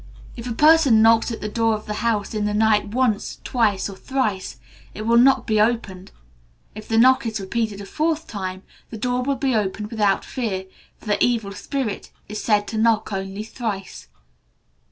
If a person knocks at the door of a house in the night once, twice, or thrice, it will not be opened. If the knock is repeated a fourth time, the door will be opened without fear, for the evil spirit is said to knock only thrice.